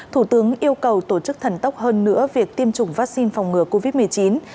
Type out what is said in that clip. thủ tướng yêu cầu tổ chức thần tốc hơn nữa việc tiêm chủng vaccine phòng ngừa covid một mươi chín